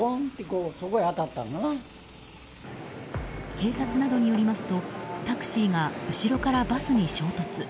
警察などによりますとタクシーが後ろからバスに衝突。